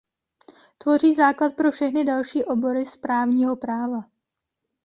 Tvoří základ pro všechny další obory správního práva.